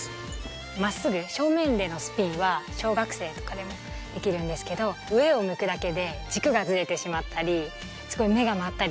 まっすぐ正面でのスピンは、小学生とかでもできるんですけど、上を向くだけで軸がずれてしまったり、すごい目が回ったり。